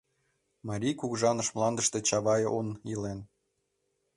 — Марий кугыжаныш мландыште Чавай он илен.